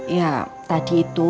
ya tadi itu